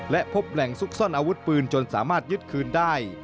และพบแหล่งซุกซ่อนอาวุธปืนจนสามารถยึดคืนได้